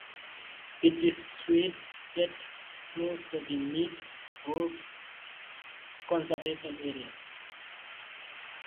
It is situated close to the Nidd Gorge conservation area.